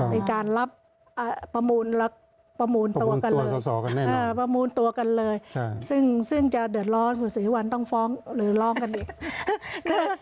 มีการรับประมูลตัวกันเลยซึ่งจะเดินร้อนคุณศรีสะวันต้องฟ้องหรือร้องกันอีก